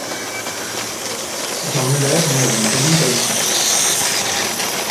Jean Müller naît dans une famille d'agriculteurs.